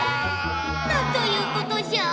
なんということじゃ！